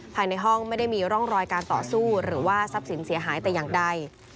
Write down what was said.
ภายในห้องไม่ได้มีร่องรอยการต่อสู้หรือว่าทรัพย์สินเสียหายแต่อย่างใด